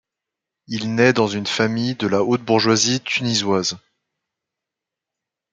Il naît dans une famille de la haute bourgeoisie tunisoise.